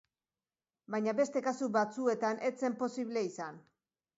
Baina beste kasu batzuetan ez zen posible izan.